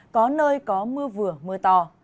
có nơi có mưa vừa mưa to